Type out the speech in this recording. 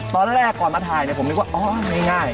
ตอนแรกก่อนมาถ่ายผมนึกว่าอ๋อง่าย